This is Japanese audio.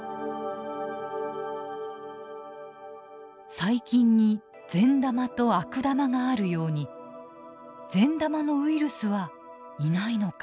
「細菌に善玉と悪玉があるように善玉のウイルスはいないのか」。